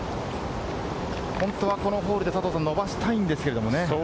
本当はこのホールで伸ばしたいんですけれどもね。